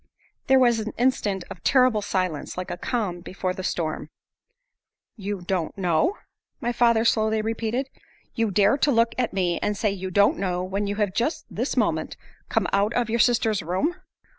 There was an instant of terrible silence like a calm before the storm. "You don't know," my father slowly repeated. "You dare to look at me and say you don't know when you have just this moment come out of your sister's room?"